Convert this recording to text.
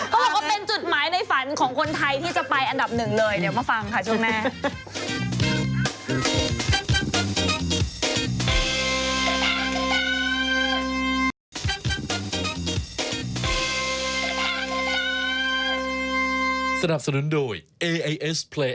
ก็เป็นจุดหมายในฝันของคนไทยที่จะไปอันดับหนึ่งเลย